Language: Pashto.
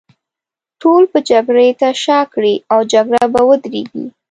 ټول به جګړې ته شا کړي، او جګړه به ودرېږي.